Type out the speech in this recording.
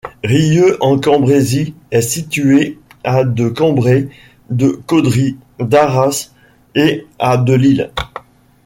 Rieux-en-Cambrésis est située à de Cambrai, de Caudry, d'Arras et à de Lille.